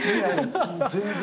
全然。